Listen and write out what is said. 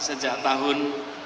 sejak tahun dua ribu delapan